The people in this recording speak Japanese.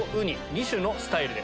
２種のスタイルだ。